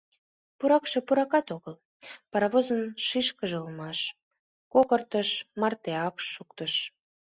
Пуракше пуракат огыл, паровозын шикшыже улмаш, кокыртыш мартеак шуктыш.